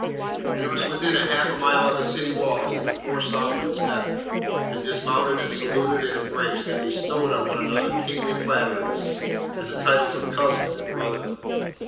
And it was within half a mile of the city walls that the four sovereigns met, and dismounted and saluted and embraced, and bestowed on one another kingly flatteries, and the titles of Cousin and Brother.